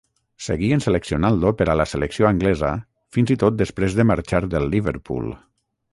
Seguien seleccionant-lo per a la selecció anglesa fins i tot després de marxar del Liverpool.